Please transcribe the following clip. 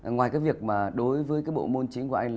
ngoài cái việc mà đối với cái bộ môn chính của anh